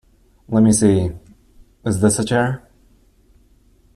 Let me see, is this a chair?